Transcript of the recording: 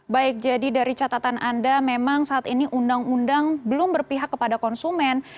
baik jadi dari catatan anda memang saat ini undang undang belum berpihak kepada konsumen